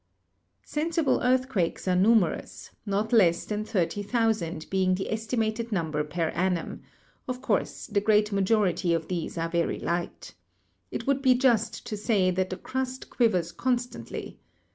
104 GEOLOGY Sensible earthquakes are numerous, not less than 30,000 being the estimated number per annum; of course, the great majority of these are very light. It would be just to say that the crust quivers constantly.